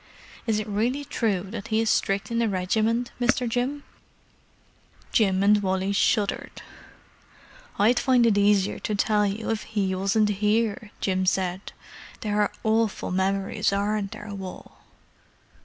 Is it really true that he is strict in the regiment, Mr. Jim?" Jim and Wally shuddered. "I'd find it easier to tell you if he wasn't here," Jim said. "There are awful memories, aren't there, Wal?"